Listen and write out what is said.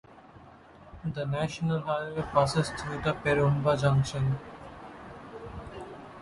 The national highway passes through Perumba junction.